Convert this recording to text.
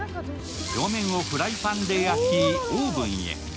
表面をフライパンで焼き、オーブンへ。